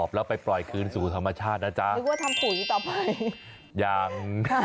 มันพูดอะไรอ่ะคุณ